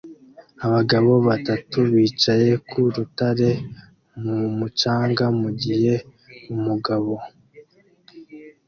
Abagabo batatu bicaye ku rutare mu mucanga mugihe umugabo